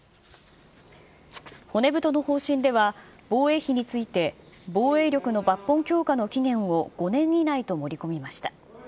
骨太の方針では、防衛費について、防衛力の抜本強化の期限を５年以内と盛り込みました。